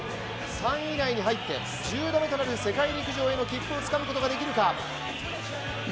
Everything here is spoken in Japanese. ３位以内に入って１０度目となる世界陸上への切符をつかむことができるか。